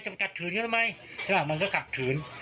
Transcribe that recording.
จำกัดถือนี่ทำไมแล้วมันก็กัดถืน